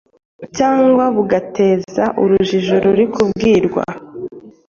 cyangwa bugateza urujijo uri kubwirwa